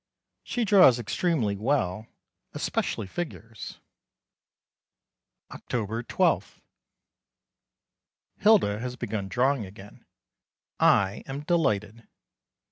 She draws extremely well, especially figures. October 12. Hilda has begun drawing again. I am delighted.